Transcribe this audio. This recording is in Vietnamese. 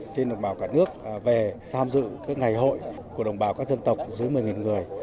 trên đồng bào cả nước về tham dự các ngày hội của đồng bào các dân tộc dưới một mươi người